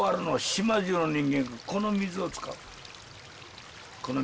島中の人間がこの水を使うの。